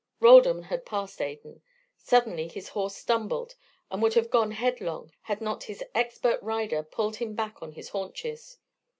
Roldan had passed Adan. Suddenly his horse stumbled and would have gone headlong had not his expert rider pulled him back on his haunches.